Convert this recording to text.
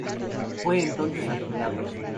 Fue entonces alquilado.